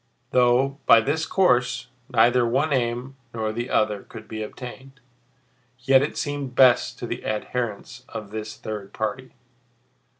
Though, by this course, neither one aim nor the other could be attained, yet it seemed best to the adherents of this third party.